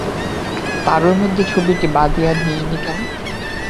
তারই মধ্যে ছবিটিকে বাঁধিয়ে নিই নে কেন?